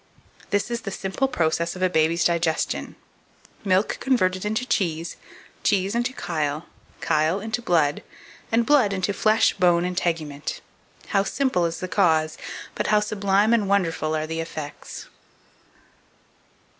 This is the simple process of a baby's digestion: milk converted into cheese, cheese into chyle, chyle into blood, and blood into flesh, bone, and tegument how simple is the cause, but how sublime and wonderful are the effects!